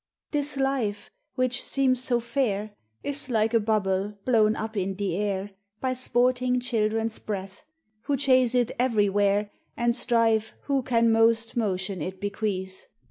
This Life, which seems so fair, Is like a bubble blown up in the air By sporting children's breath, Who chase it everywhere And strive who can most motion it bequeath.